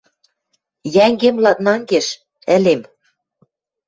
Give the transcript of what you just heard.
Йӓнгем ладнангеш: ӹлем!